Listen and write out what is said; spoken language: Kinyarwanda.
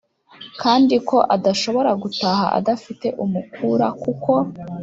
kandi ko adashobora gutaha adafite umukura kuko